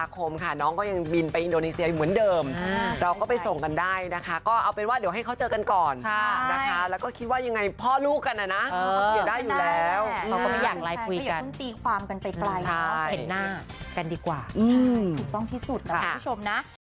กันดีกว่าถูกต้องที่สุดค่ะ